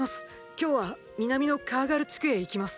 今日は南のカーガル地区へ行きます。